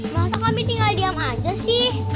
masa kami tinggal diam aja sih